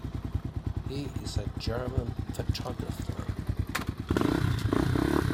He is a German photographer.